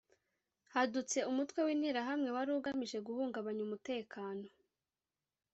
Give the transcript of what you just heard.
hadutse umutwe w’Interahamwe wari ugamije guhungabanya umutekano